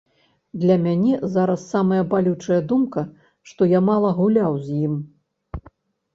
Для мяне зараз самая балючая думка, што я мала гуляў з ім.